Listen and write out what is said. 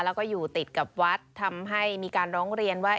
แล้วก็อยู่ติดกับวัดทำให้มีการร้องเรียนว่า